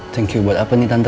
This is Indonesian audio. thank you buat apa nih tante